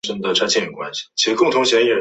这是古代黑俄罗斯建筑风格的唯一遗留。